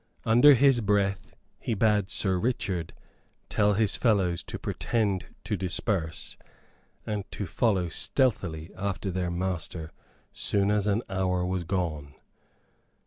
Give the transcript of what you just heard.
Under his breath he bade Sir Richard tell his fellows to pretend to disperse, and to follow stealthily after their master soon as an hour was gone.